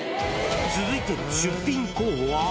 続いての出品候補は。